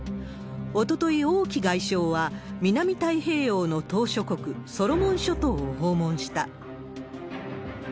おととい、王毅外相は、南太平洋の島しょ国、ソロモン諸島を訪問した。